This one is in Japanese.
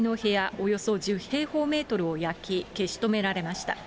およそ１０平方メートルを焼き、消し止められました。